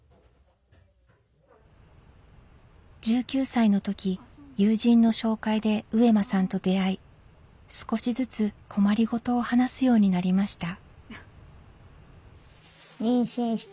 １９歳の時友人の紹介で上間さんと出会い少しずつ困りごとを話すようになりました。